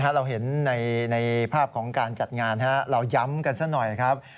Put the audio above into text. เราเห็นในภาพของการจัดงานเราย้ำกันซะหน่อยครับ